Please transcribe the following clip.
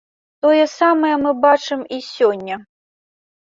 Тое самае мы бачым і сёння.